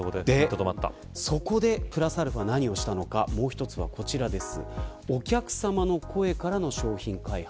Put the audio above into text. そこにプラスアルファ何をしたのかもう一つはこちらです。